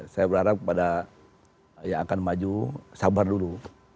saya berharap pada yang akan maju sabar dulu